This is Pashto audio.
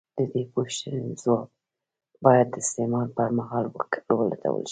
د دې پوښتنې ځواب باید د استعمار پر مهال ولټول شي.